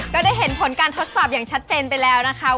ก็ได้เห็นผลการทดสอบอย่างชัดเจนไปแล้วนะคะ